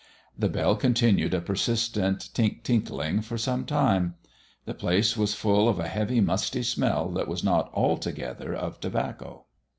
The bell continued a persistent tink tinking for some time. The place was full of a heavy, musty smell that was not altogether of tobacco.